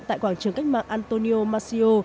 tại quảng trường cách mạng antonio macio